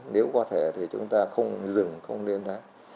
nếu có thể thì chúng ta không dừng không nên đánh